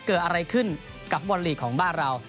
เกิดอะไรขึ้นกับฟุตบอลลีกของบ้านเรา